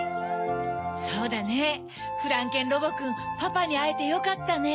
そうだねフランケンロボくんパパにあえてよかったね。